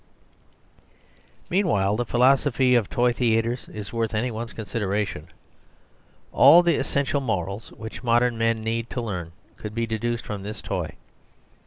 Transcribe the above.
..... Meanwhile the philosophy of toy theatres is worth any one's consideration. All the essential morals which modern men need to learn could be deduced from this toy.